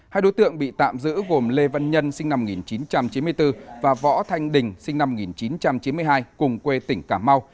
hai đối tượng bị tạm giữ gồm lê văn nhân sinh năm một nghìn chín trăm chín mươi bốn và võ thanh đình sinh năm một nghìn chín trăm chín mươi hai cùng quê tỉnh cà mau